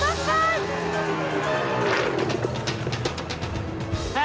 awan ada jebakan